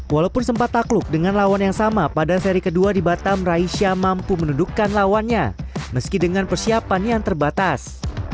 walaupun sempat takluk dengan lawan yang sama pada seri kedua di batam raisya mampu menundukkan lawannya meski dengan persiapan yang terbatas